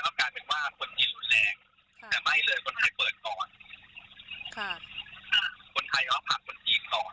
พระการย์ออกให้คลิปต้องคิดว่าครูเป็นใช่หรือไม่